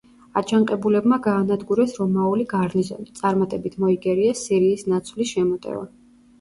აჯანყებულებმა გაანადგურეს რომაული გარნიზონი; წარმატებით მოიგერიეს სირიის ნაცვლის შემოტევა.